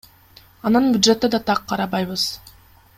Анан бюджетте да так карабайбыз.